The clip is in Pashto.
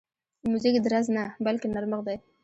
موزیک درز نه، بلکې نرمښت دی.